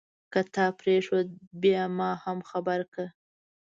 که تا پرېښود بیا ما هم خبر کړه.